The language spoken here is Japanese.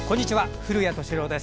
古谷敏郎です。